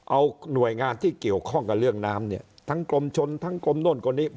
เอาหน่วยงานที่เกี่ยวข้องกับเรื่องน้ำเนี่ยทั้งกรมชนทั้งกรมโน่นกรมนี้